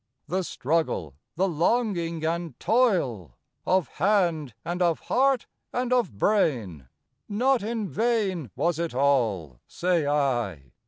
The struggle, the longing and toil Of hand and of heart and of brain, Not in vain was it all, say I!